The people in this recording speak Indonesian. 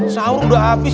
sahur udah abis